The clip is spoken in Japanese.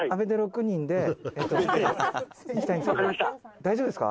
「大丈夫ですか？